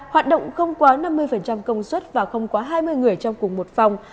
hoạt động không quá năm mươi công suất và không quá hai mươi người trong cùng một phòng